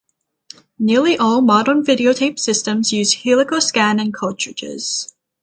Nearly all modern videotape systems use helical scan and cartridges.